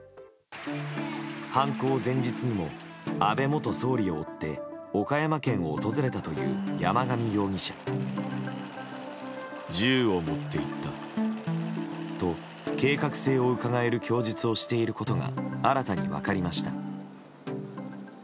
犯行前日にも安倍元総理を追って岡山県を訪れたという山上容疑者。と計画性をうかがえる供述をしていることが新たに分かりました。